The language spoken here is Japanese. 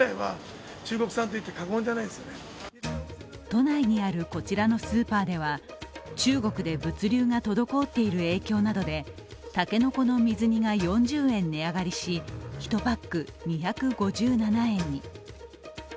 都内にあるこちらのスーパーでは、中国で物流が滞っている影響などで竹の子の水煮が４０円値上がりし、１パック２５７円に。